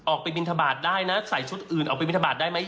บินทบาทได้นะใส่ชุดอื่นออกไปบินทบาทได้ไหม